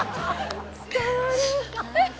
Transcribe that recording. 伝わる！